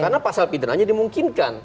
karena pasal pidananya dimungkinkan